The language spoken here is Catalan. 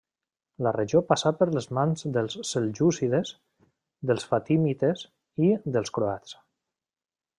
La regió passà per les mans dels seljúcides, dels fatimites i dels croats.